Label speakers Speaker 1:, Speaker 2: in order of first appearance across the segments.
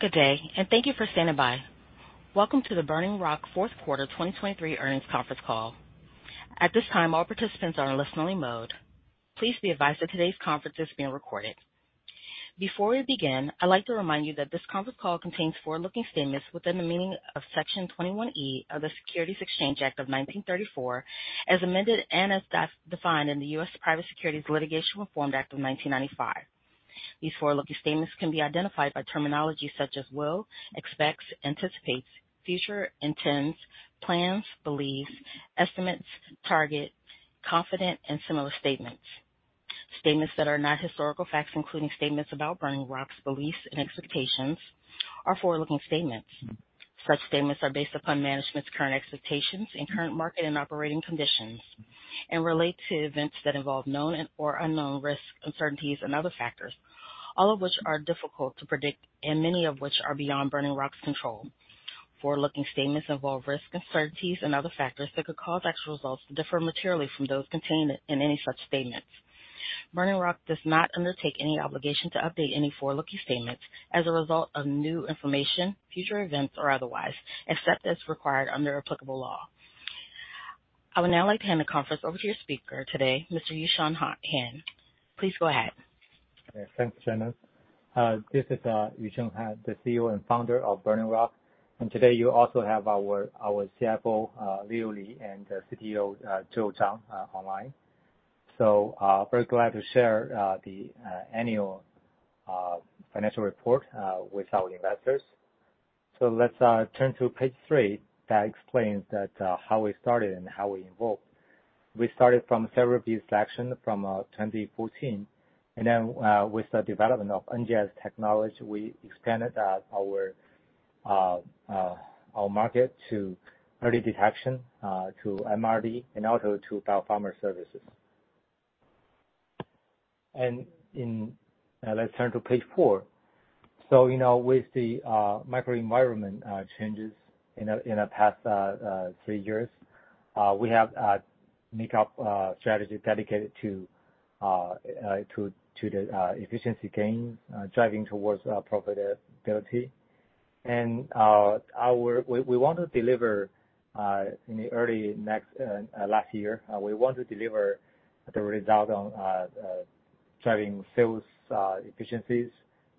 Speaker 1: Good day, and thank you for standing by. Welcome to the Burning Rock Fourth Quarter 2023 Earnings Conference Call. At this time, all participants are in listening mode. Please be advised that today's conference is being recorded. Before we begin, I'd like to remind you that this conference call contains forward-looking statements within the meaning of Section 21E of the Securities Exchange Act of 1934, as amended and as defined in the U.S. Private Securities Litigation Reform Act of 1995. These forward-looking statements can be identified by terminology such as will, expects, anticipates, future intends, plans, beliefs, estimates, target, confident, and similar statements. Statements that are not historical facts, including statements about Burning Rock's beliefs and expectations, are forward-looking statements. Such statements are based upon management's current expectations and current market and operating conditions, and relate to events that involve known and/or unknown risks, uncertainties, and other factors, all of which are difficult to predict and many of which are beyond Burning Rock's control. Forward-looking statements involve risks, uncertainties, and other factors that could cause actual results to differ materially from those contained in any such statements. Burning Rock does not undertake any obligation to update any forward-looking statements as a result of new information, future events, or otherwise, except as required under applicable law. I would now like to hand the conference over to your speaker today, Mr. Yusheng Han. Please go ahead.
Speaker 2: Thanks. This is Yusheng Han, the CEO and Founder of Burning Rock. Today you also have our CFO, Leo Li, and CTO, Zhihong Zhang, online. Very glad to share the annual financial report with our investors. Let's turn to page three that explains how we started and how we evolved. We started from a several-view selection from 2014, and then with the development of NGS technology, we expanded our market to early detection, to MRD, and also to biopharma services. Let's turn to page four. With the microenvironment changes in the past three years, we have a makeup strategy dedicated to the efficiency gains, driving towards profitability. We want to deliver in the early next last year, we want to deliver the result on driving sales efficiencies,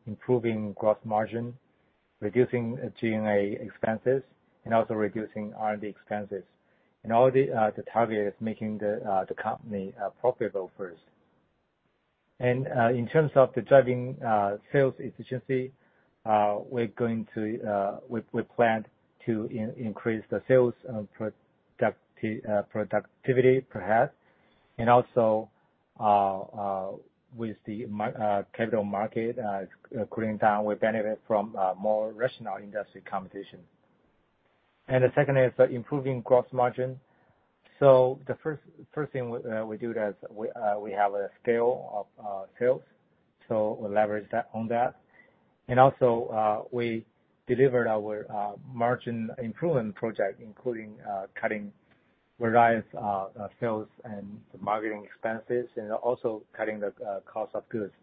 Speaker 2: improving gross margin, reducing G&A expenses, and also reducing R&D expenses. All the target is making the company profitable first. In terms of the driving sales efficiency, we're going to plan to increase the sales productivity, perhaps, and also with the capital market cooling down, we benefit from more rational industry competition. The second is improving gross margin. So the first thing we do is we have a scale of sales, so we leverage on that. Also we delivered our margin improvement project, including cutting various sales and marketing expenses and also cutting the cost of goods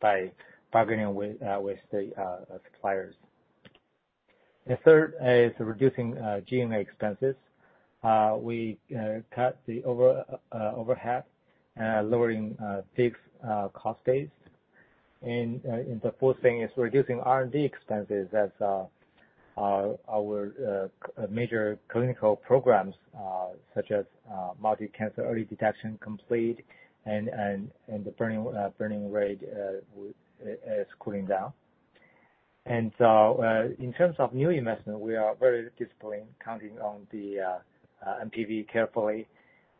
Speaker 2: by bargaining with the suppliers. The third is reducing G&A expenses. We cut the overhead and lowering fixed cost base. The fourth thing is reducing R&D expenses as our major clinical programs, such as multi-cancer early detection, complete and the burning rate is cooling down. In terms of new investment, we are very disciplined, counting on the NPV carefully,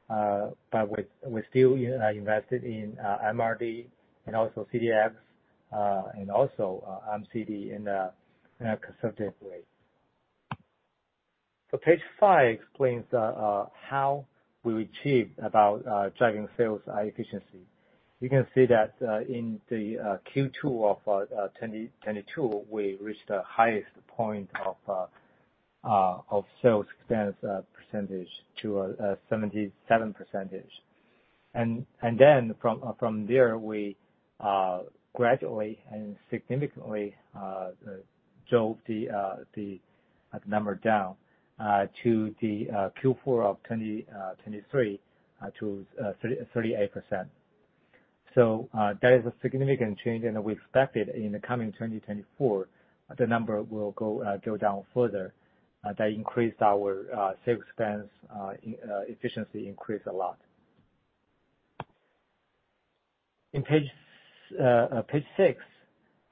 Speaker 2: but we still invested in MRD and also CDx and also MCED in a conservative way. So page five explains how we achieved about driving sales efficiency. You can see that in the Q2 of 2022, we reached the highest point of sales expense percentage to a 77%. And then from there, we gradually and significantly drove the number down to the Q4 of 2023 to 38%. So that is a significant change, and we expected in the coming 2024, the number will go down further. That increased our sales expense efficiency increased a lot. In page six,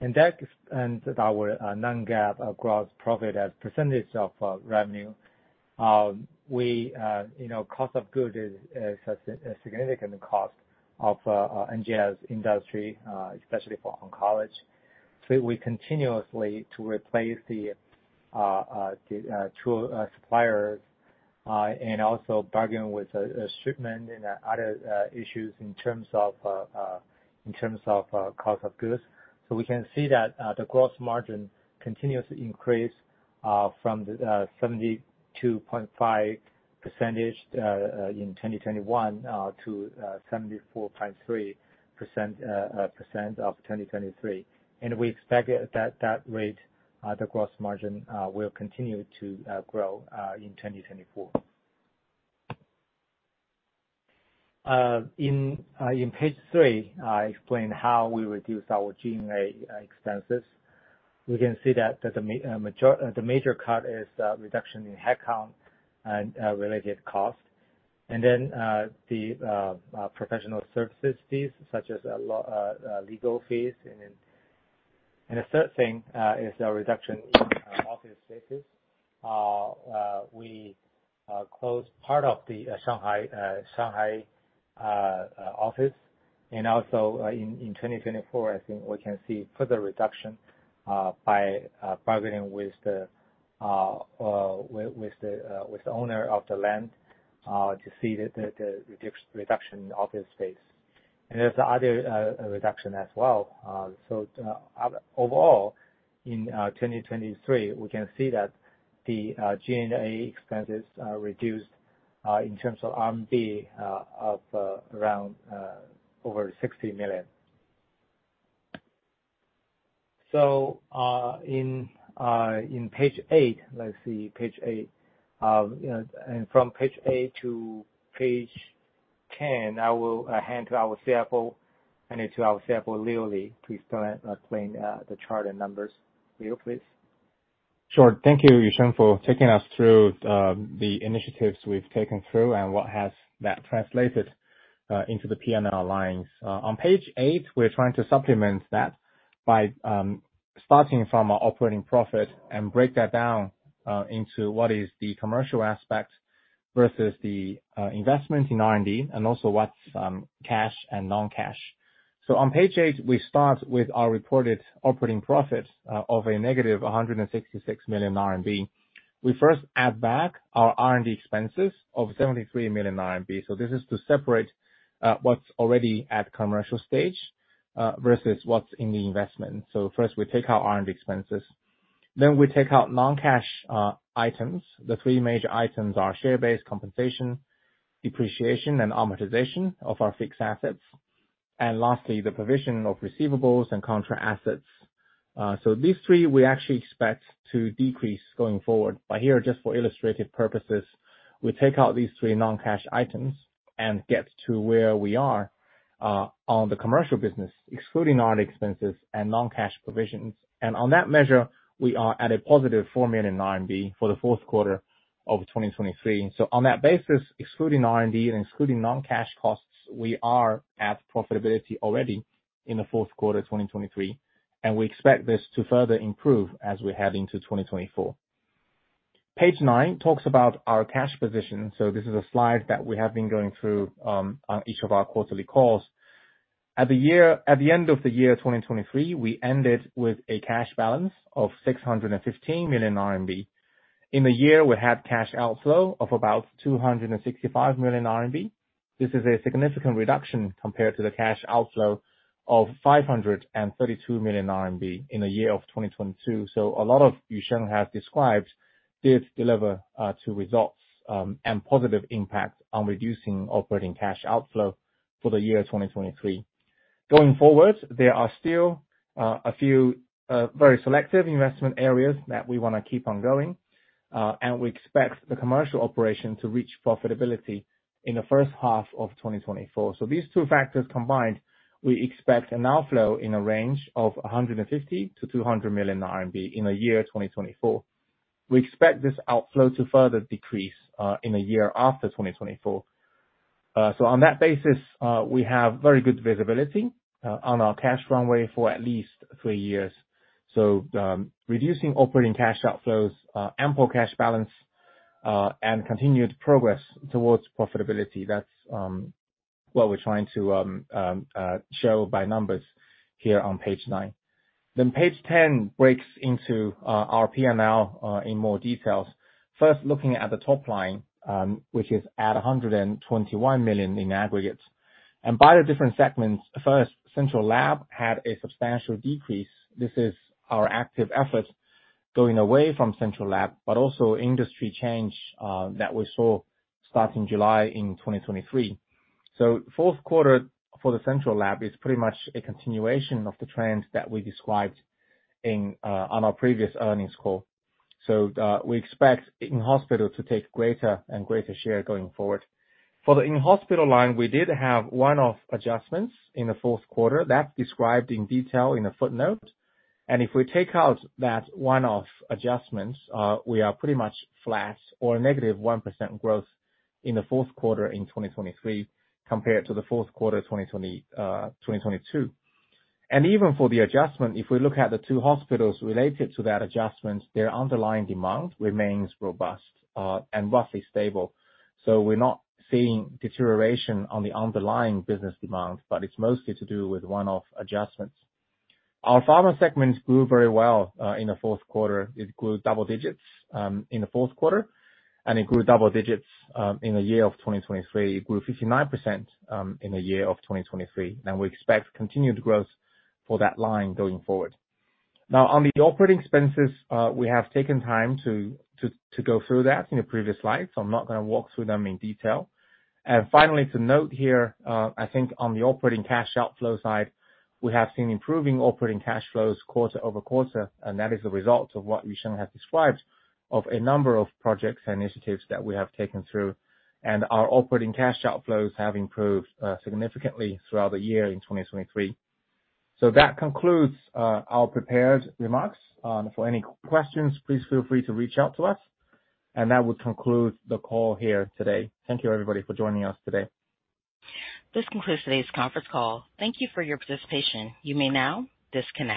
Speaker 2: and that expands our non-GAAP gross profit as percentage of revenue, cost of goods is a significant cost of NGS industry, especially for oncology. So we continue to replace the two suppliers and also bargain with shipment and other issues in terms of cost of goods. So we can see that the gross margin continues to increase from the 72.5% in 2021 to 74.3% in 2023. And we expect that rate, the gross margin, will continue to grow in 2024. On page three, I explain how we reduce our G&A expenses. We can see that the major cut is reduction in headcount and related cost, and then the professional services fees, such as legal fees. And the third thing is a reduction in office spaces. We closed part of the Shanghai office. And also in 2024, I think we can see further reduction by bargaining with the owner of the land to see the reduction in office space. And there's another reduction as well. So overall, in 2023, we can see that the G&A expenses reduced in terms of R&D of around over CNY 60 million. So on page eight, let's see, page eight, and from page eight to page 10, I will hand to our CFO and to our CFO, Leo Li, to explain the chart and numbers. Leo, please.
Speaker 3: Sure. Thank you, Yusheng, for taking us through the initiatives we've taken through and what has that translated into the P&L lines. On page eight, we're trying to supplement that by starting from our operating profit and break that down into what is the commercial aspect versus the investment in R&D and also what's cash and non-cash. So on page eight, we start with our reported operating profit of a -166 million RMB. We first add back our R&D expenses of 73 million RMB. So this is to separate what's already at commercial stage versus what's in the investment. So first, we take out R&D expenses. Then we take out non-cash items. The three major items are share-based compensation, depreciation, and amortization of our fixed assets. And lastly, the provision of receivables and contra assets. So these three, we actually expect to decrease going forward. But here, just for illustrative purposes, we take out these three non-cash items and get to where we are on the commercial business, excluding R&D expenses and non-cash provisions. And on that measure, we are at a +4 million RMB for the fourth quarter of 2023. So on that basis, excluding R&D and excluding non-cash costs, we are at profitability already in the fourth quarter of 2023, and we expect this to further improve as we head into 2024. Page nine talks about our cash position. So this is a slide that we have been going through on each of our quarterly calls. At the end of the year 2023, we ended with a cash balance of 615 million RMB. In the year, we had cash outflow of about 265 million RMB. This is a significant reduction compared to the cash outflow of 532 million RMB in the year of 2022. So a lot of Yusheng has described did deliver to results and positive impact on reducing operating cash outflow for the year 2023. Going forward, there are still a few very selective investment areas that we want to keep on going, and we expect the commercial operation to reach profitability in the first half of 2024. So these two factors combined, we expect an outflow in a range of 150 million-200 million RMB in the year 2024. We expect this outflow to further decrease in the year after 2024. So on that basis, we have very good visibility on our cash runway for at least three years. So reducing operating cash outflows, ample cash balance, and continued progress towards profitability, that's what we're trying to show by numbers here on page nine. Page 10 breaks into our P&L in more details, first looking at the top line, which is at 121 million in aggregate. By the different segments, first, central lab had a substantial decrease. This is our active efforts going away from central lab, but also industry change that we saw starting July in 2023. So fourth quarter for the central lab is pretty much a continuation of the trend that we described on our previous earnings call. So we expect in-hospital to take greater and greater share going forward. For the in-hospital line, we did have one-off adjustments in the fourth quarter. That's described in detail in a footnote. If we take out that one-off adjustment, we are pretty much flat or -1% growth in the fourth quarter in 2023 compared to the fourth quarter of 2022. Even for the adjustment, if we look at the 2 hospitals related to that adjustment, their underlying demand remains robust and roughly stable. So we're not seeing deterioration on the underlying business demand, but it's mostly to do with one-off adjustments. Our pharma segments grew very well in the fourth quarter. It grew double digits in the fourth quarter, and it grew double digits in the year of 2023. It grew 59% in the year of 2023, and we expect continued growth for that line going forward. Now, on the operating expenses, we have taken time to go through that in the previous slides, so I'm not going to walk through them in detail. Finally, to note here, I think on the operating cash outflow side, we have seen improving operating cash flows quarter-over-quarter, and that is the result of what Yusheng has described of a number of projects and initiatives that we have taken through, and our operating cash outflows have improved significantly throughout the year in 2023. That concludes our prepared remarks. For any questions, please feel free to reach out to us, and that would conclude the call here today. Thank you, everybody, for joining us today.
Speaker 1: This concludes today's conference call. Thank you for your participation. You may now disconnect.